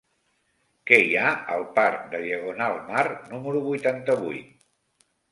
Què hi ha al parc de Diagonal Mar número vuitanta-vuit?